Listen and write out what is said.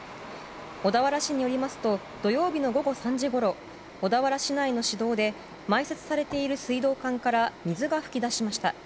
小田原市によりますと土曜日の午後３時ごろ小田原市内の市道で埋設されている水道管から水が噴き出しました。